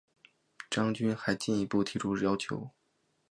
张军还进一步提出要求